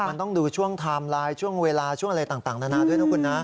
มันต้องดูช่วงไทม์ไลน์ช่วงเวลาช่วงอะไรต่างนานาด้วยนะคุณนะ